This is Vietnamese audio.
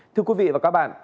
thưa quý vị và các bạn